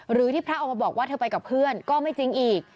หรือที่พระออกมาบอกว่าเธอไปกับเพื่อนก็ไม่จริงอีก